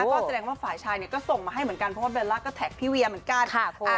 ก็แสดงว่าฝ่ายชายเนี่ยก็ส่งมาให้เหมือนกันเพราะว่าเบลล่าก็แท็กพี่เวียเหมือนกัน